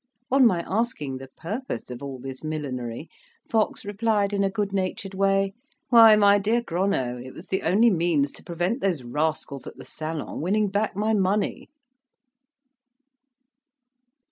On my asking the purpose of all this millinery, Fox replied, in a good natured way, "Why, my dear Gronow, it was the only means to prevent those rascals at the salon winning back my money."